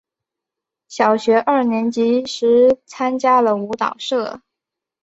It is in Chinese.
小学二年级时参加了舞蹈社。